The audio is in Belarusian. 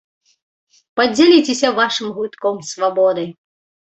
Падзяліцеся вашым глытком свабоды!